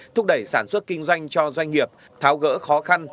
thúc đẩy sản xuất kinh doanh cho doanh nghiệp tháo gỡ khó khăn